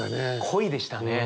恋でしたね。